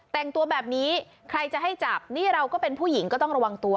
แต่งตัวแบบนี้ใครจะให้จับนี่เราก็เป็นผู้หญิงก็ต้องระวังตัว